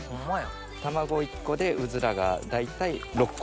卵１個でうずらが大体６個分ぐらい。